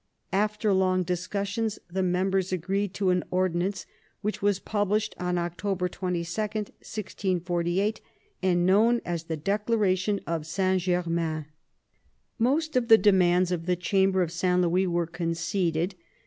After long discussions, the members agreed to an ordinance, which was published on October 22, 1648, and known as the Declaration of Saint Germain. Most of the demands of the Chamber of St. Louis were conceded.